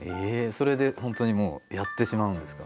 それで本当にもうやってしまうんですか？